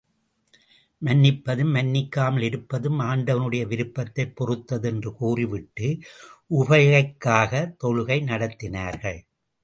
மன்னிப்பதும், மன்னிக்காமல் இருப்பதும் ஆண்டவனுடைய விருப்பத்தைப் பொறுத்தது என்று கூறிவிட்டு, உபைக்காகத் தொழுகை நடத்தினார்கள்.